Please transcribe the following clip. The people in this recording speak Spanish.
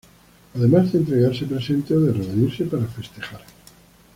Además de entregarse presentes o de reunirse para festejar.